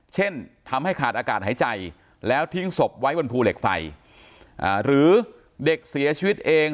เช่นทำให้ขาดอากาศหายใจแล้วทิ้งศพไว้บนภูเหล็กไฟหรือเด็กเสียชีวิตเอง